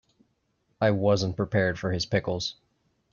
I wasn't prepared for his pickles.